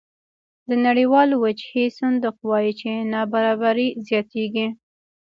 د نړیوال وجهي صندوق وایي چې نابرابري زیاتېږي